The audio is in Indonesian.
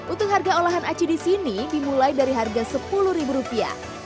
untung harga olahan aci di sini dimulai dari harga sepuluh ribu rupiah